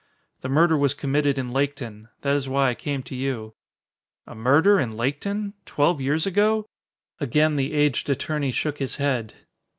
The murder was committed in Laketon. That is why I came to you." "A murder in Laketon? Twelve years ago?" Again the aged attorney shook his head.